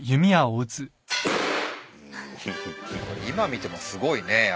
今見てもすごいね。